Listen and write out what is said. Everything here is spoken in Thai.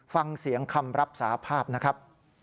ฟังเสียงคำรับสาภาพนะครับ